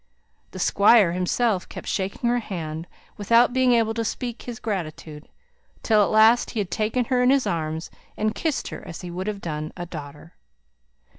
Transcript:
The Squire himself kept shaking her hand, without being able to speak his gratitude, till at last he took her in his arms, and kissed her as he would have done a daughter.